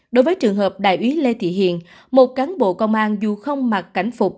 đối với trường hợp đại úy lê thị hiền một cán bộ công an dù không mặc cảnh phục